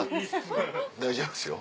大丈夫ですよ。